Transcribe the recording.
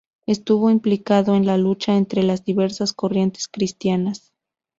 Estuvo implicado en la lucha entre las diversas corrientes cristianas.